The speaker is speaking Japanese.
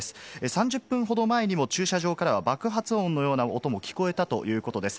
３０分ほど前にも駐車場からは爆発音のようなものも聞こえたということです。